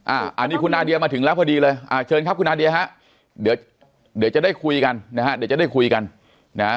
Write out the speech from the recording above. อ่าอันนี้คุณนาเดียมาถึงแล้วพอดีเลยอ่าเชิญครับคุณนาเดียฮะเดี๋ยวเดี๋ยวจะได้คุยกันนะฮะ